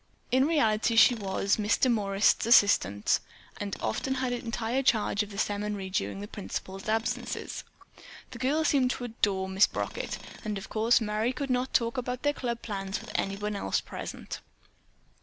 In reality she was Miss Demorest's assistant and often had entire charge of the seminary during the principal's absences. The girls seemed to adore Miss Brockett, but of course Merry could not talk about their club plans with anyone else present.